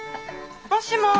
もしもし！